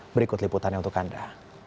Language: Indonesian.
berikut liputannya untuk anda